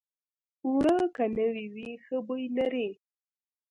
اوړه که نوي وي، ښه بوی لري